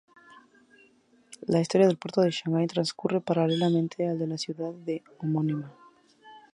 La historia del puerto de Shanghái transcurre paralelamente al de la ciudad homónima.